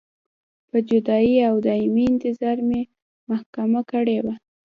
په جدایۍ او دایمي انتظار مې محکومه کړې وې.